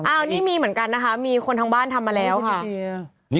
อันนี้มีเหมือนกันนะคะมีคนทางบ้านทำมาแล้วค่ะ